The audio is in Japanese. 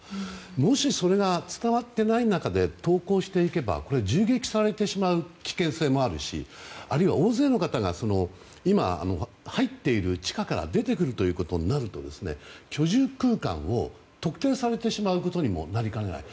もしそれが伝わっていない中で投降していけば銃撃されてしまう危険性もあるしあるいは大勢の方が地下から出てくることになると居住空間を特定されてしまうことにもなりかねない。